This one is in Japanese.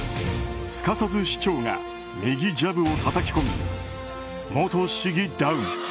すかさず市長が右ジャブをたたき込み元市議、ダウン！